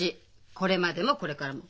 これまでもこれからも。